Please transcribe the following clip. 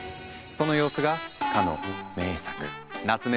その様子がかの名作夏目